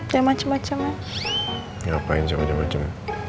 ya macem macem ya ngapain sih macem macem